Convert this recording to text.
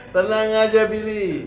tenang aja bili